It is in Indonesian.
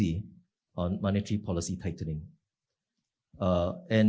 untuk mengembangkan kebijakan kebijakan